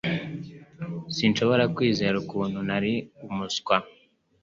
Sinshobora kwizera ukuntu nari umuswa